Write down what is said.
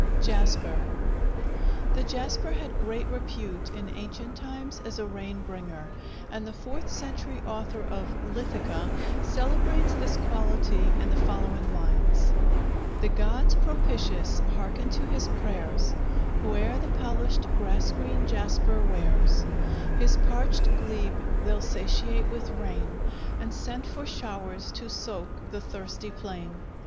Jasper The jasper had great repute in ancient times as a rain bringer, and the fourth century author of "Lithica" celebrates this quality in the following lines: The gods propitious hearken to his prayers, Whoe'er the polished grass green jasper wears; His parched glebe they'll satiate with rain, And send for showers to soak the thirsty plain.